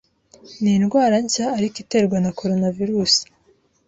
ni indwara nshya ariko iterwa na coronavirus